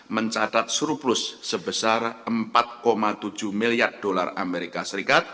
mencatat surplus sebesar empat tujuh miliar dolar amerika serikat